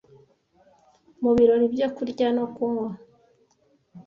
mubirori byo kurya no kunywa